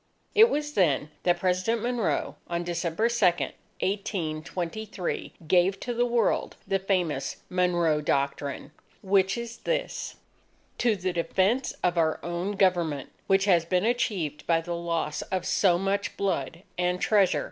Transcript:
It was then, that President Monroe, on December 2, 1823, gave to the World the famous MONROE DOCTRINE, which is this: _To the defense of our own [Government], which has been achieved by the loss of so much blood and treasure